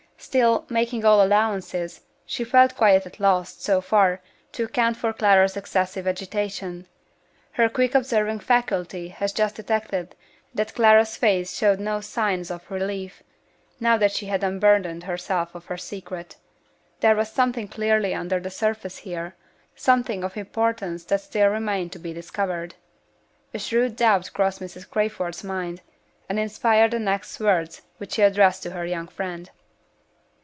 Still, making all allowances, she felt quite at a loss, so far, to account for Clara's excessive agitation. Her quick observing faculty had just detected that Clara's face showed no signs of relief, now that she had unburdened herself of her secret. There was something clearly under the surface here something of importance that still remained to be discovered. A shrewd doubt crossed Mrs. Crayford's mind, and inspired the next words which she addressed to her young friend.